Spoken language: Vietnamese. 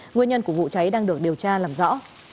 nguyên nhân của vụ cháy đang được điều tra làm rõ